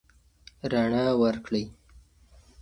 رڼا ورکړئ.